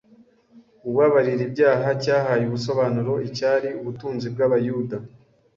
ubabarira ibyaha cyahaye ubusobanuro icyari ubutunzi bw’Abayuda.